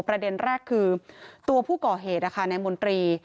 ประเด็นแรกคือตัวผู้ก่อเหตุในมนตรี